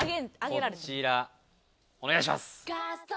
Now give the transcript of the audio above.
こちらお願いします。